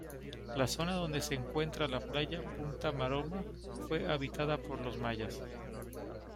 La zona donde se encuentra la playa Punta Maroma fue habitada por los mayas.